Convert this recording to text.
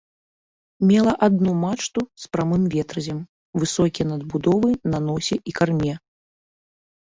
Мела адну мачту з прамым ветразем, высокія надбудовы на носе і карме.